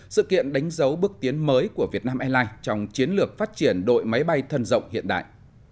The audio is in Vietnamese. sự kiện đánh dấu bước tiến mới của việt nam airlines trong chiến lược phát triển đội máy bay thân rộng hiện đại